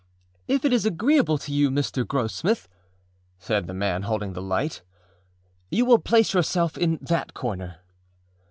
âIf it is agreeable to you, Mr. Grossmith,â said the man holding the light, âyou will place yourself in that corner.